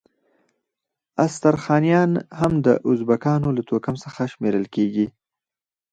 استرخانیان هم د ازبکانو له توکم څخه شمیرل کیږي.